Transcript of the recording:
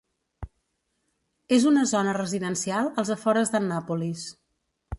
És una zona residencial als afores d'Annapolis.